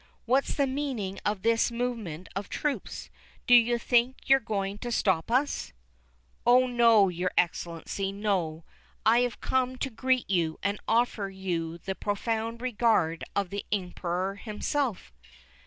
What's the meaning of this movement of troops. Do you think you're going to stop us?" "Oh, no, Excellency, no. I have come to greet you, and offer you the profound regard of the Emperor himself."